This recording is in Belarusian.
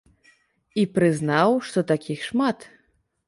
І прызнаў, што такіх шмат.